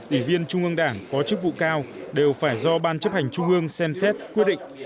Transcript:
ủy viên trung ương đảng có chức vụ cao đều phải do ban chấp hành trung ương xem xét quyết định